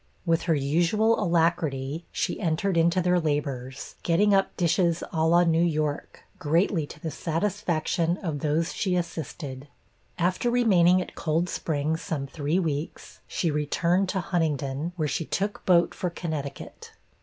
With her usual alacrity, she entered into their labors, getting up dishes a la New York, greatly to the satisfaction of those she assisted. After remaining at Cold Springs some three weeks, she returned to Huntingdon, where she took boat for Connecticut.